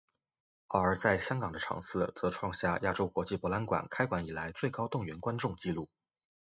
而在香港的场次则创下亚洲国际博览馆开馆以来最高动员观众记录。